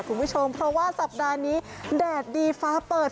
คุณผู้ชมเพราะว่าสัปดาห์นี้แดดดีฟ้าเปิด